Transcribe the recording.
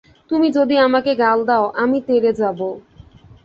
তুমি যদি আমাকে গাল দাও, আমি তেড়ে যাব।